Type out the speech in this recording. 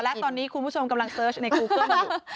พอแล้วตอนนี้คุณผู้ชมกำลังเซิร์ชในกูเกิ้ลหนึ่ง